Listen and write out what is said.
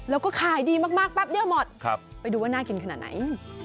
แล้วก็ขายดีมากแป๊บเดียวหมดไปดูว่าน่ากินขนาดไหน